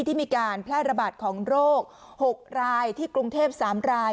ที่มีการแพร่ระบาดของโรค๖รายที่กรุงเทพ๓ราย